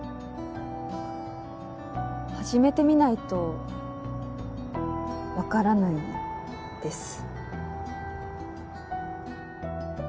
始めてみないとわからないです。